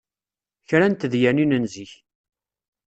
Kra n tedyanin n zik